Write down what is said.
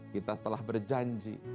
kita telah berjanji